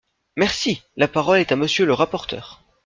Merci ! La parole est à Monsieur le rapporteur.